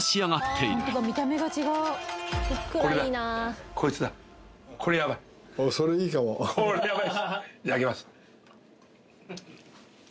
いただきます